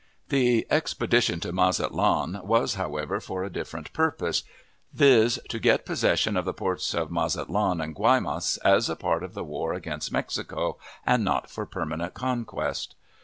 The expedition to Mazatlan was, however, for a different purpose, viz., to get possession of the ports of Mazatlan and Guaymas, as a part of the war against Mexico, and not for permanent conquest.